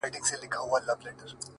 • د ژبي اعتبار د قوم اعتبار دی ,